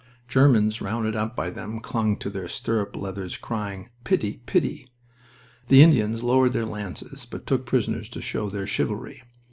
Germans rounded up by them clung to their stirrup leathers crying: "Pity! Pity!" The Indians lowered their lances, but took prisoners to show their chivalry.